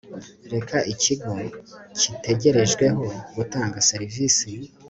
rero ikigo gitegerejweho gutanga serivisi